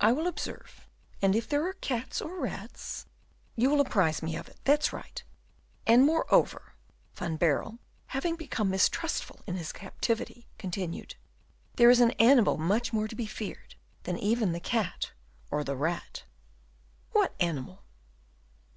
"I will observe, and if there are cats or rats " "You will apprise me of it, that's right. And, moreover," Van Baerle, having become mistrustful in his captivity, continued, "there is an animal much more to be feared than even the cat or the rat." "What animal?"